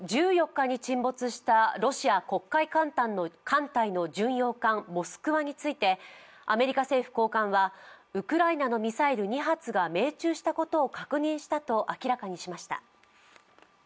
１４日に沈没したロシア黒海艦隊の巡洋艦「モスクワ」についてアメリカ政府高官はウクライナのミサイル２発が命中したことを確認したと明らかにしました。